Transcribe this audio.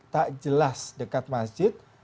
tak jelas dekat masjid